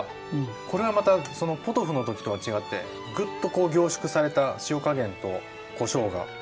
これはまたそのポトフの時とは違ってグッとこう凝縮された塩加減とこしょうが利いてて。